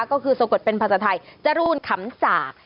ก็คือทรงกฎเป็นภาษาไทยจรูนขำจาก